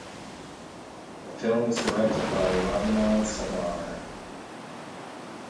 The film is directed by Ramanand Sagar.